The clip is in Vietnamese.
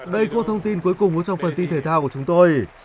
đây là cuốn thông tin cuối cùng của trong phần tin thể thao của chúng tôi